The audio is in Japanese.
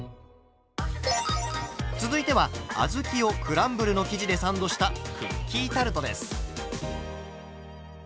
続いてはあずきをクランブルの生地でサンドしたクッキータルトです。